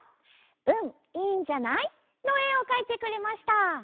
「うん、いいんじゃない」のえをかいてくれました。